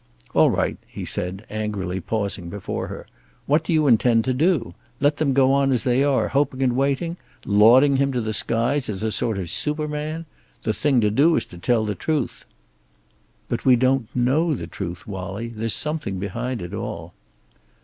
"All right," he said, angrily pausing before her. "What do you intend to do? Let them go on as they are, hoping and waiting; lauding him to the skies as a sort of superman? The thing to do is to tell the truth." "But we don't know the truth, Wallie. There's something behind it all."